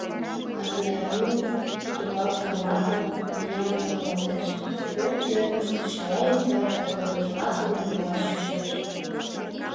А пианино тугак йомартлын, виян йоҥгалтеш; пӧрт кӧргыштӧ чыла ӱзгар да пырдыжат мурымыла чучеш.